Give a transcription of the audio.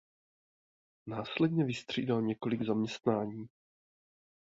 Následně vystřídal několik zaměstnání.